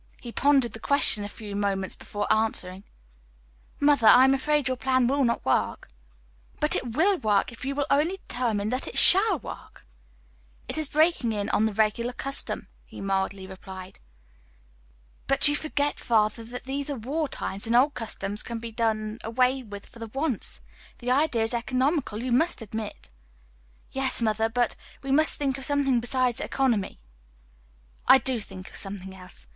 He pondered the question a few moments before answering. "Mother, I am afraid your plan will not work." "But it will work, if you will only determine that it shall work." "It is breaking in on the regular custom," he mildly replied. "But you forget, father, these are war times, and old customs can be done away with for the once. The idea is economical, you must admit." "Yes, mother, but we must think of something besides economy." "I do think of something else.